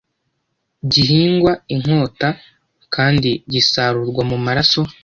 gihingwa inkota kandi gisarurwa mu maraso